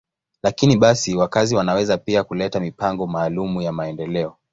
Lakini basi, wakazi wanaweza pia kuleta mipango maalum ya maendeleo.